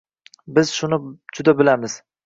Biz shuni juda bilamiz.